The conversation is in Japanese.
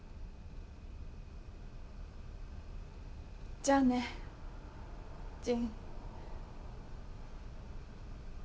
じゃあね仁。